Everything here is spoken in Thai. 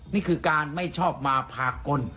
นี่คือการไม่ชอบมาพากล